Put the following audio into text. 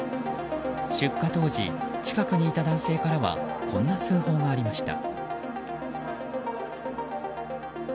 出火当時、近くにいた男性からはこんな通報がありました。